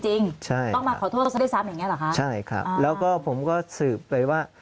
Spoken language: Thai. ต้องมาขอโทษได้ซ้ำอย่างนี้หรือคะใช่ครับแล้วก็ผมก็สืบไปว่า